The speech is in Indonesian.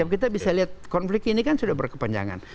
kita bisa lihat konflik ini kan sudah berkepanjangan